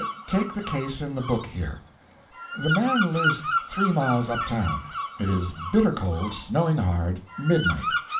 Take the case in the book here. The man lives three miles up town. It is bitter cold, snowing hard, midnight.